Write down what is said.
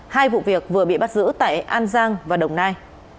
hai vụ việc vừa bị bắt giữ tại an giang và đồng nai